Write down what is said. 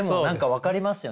分かります。